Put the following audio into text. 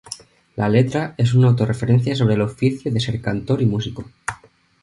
La letra es una auto referencia sobre el oficio de ser cantor y músico.